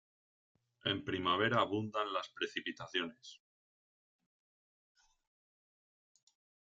En primavera abundan las precipitaciones.